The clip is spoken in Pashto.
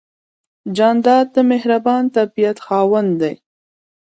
جانداد د مهربان طبیعت خاوند دی.